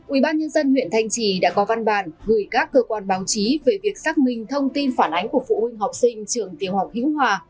ubnd huyện thanh trì đã có văn bản gửi các cơ quan báo chí về việc xác minh thông tin phản ánh của phụ huynh học sinh trường tiểu học hữu hòa